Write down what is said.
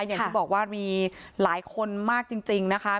อย่างที่บอกว่ามีหลายคนมากจริงนะคะ